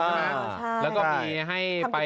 แล้วก็มีให้ไป